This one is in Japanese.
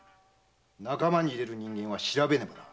仲間に入れる人間は調べねばな。